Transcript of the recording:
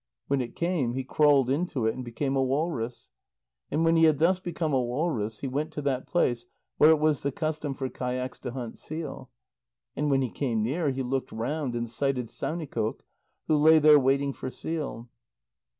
When it came, he crawled into it, and became a walrus. And when he had thus become a walrus, he went to that place where it was the custom for kayaks to hunt seal. And when he came near, he looked round, and sighted Saunikoq, who lay there waiting for seal.